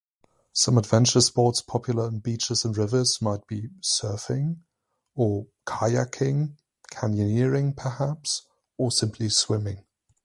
Some adventure sports popular in beaches and rivers might be surfing, or...kayaking, canyoneering perhaps, or simply swimming.